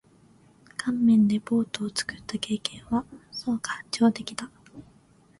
乾麺でボートを作った経験は？そうか。上出来だ。